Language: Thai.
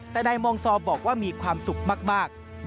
แต่นายมองซอบอกว่ามีความสุขมาก